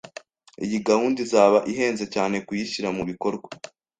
Iyi gahunda izaba ihenze cyane kuyishyira mu bikorwa